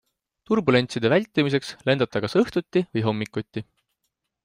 Turbulentside vältimiseks lendab ta kas õhtuti või hommikuti.